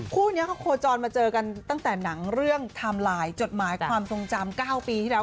คู่นี้เขาโคจรมาเจอกันตั้งแต่หนังเรื่องไทม์ไลน์จดหมายความทรงจำ๙ปีที่แล้ว